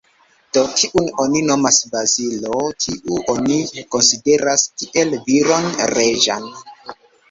Do: Kiun oni nomas Bazilo, tiun oni konsideras kiel viron reĝan.